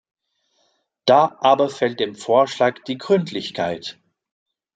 Da aber fehlt dem Vorschlag die Gründlichkeit.